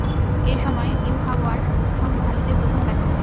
এ সময় ইউহাওয়ার সঙ্গে খালিদের প্রথম দেখা হয়।